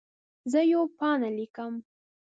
زه یوه پاڼه لیکم.